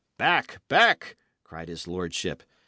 "Back! back!" cried his lordship.